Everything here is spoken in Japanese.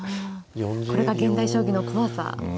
これが現代将棋の怖さですか。